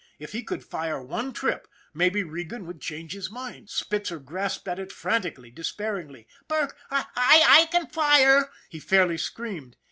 If he could fire one trip maybe Regan would change his mind. Spitzer grasped at it frantically, despairingly. " Burke, I can fire," he fairly screamed.